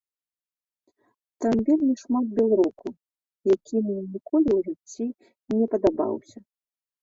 Там вельмі шмат белроку, які мне ніколі ў жыцці не падабаўся.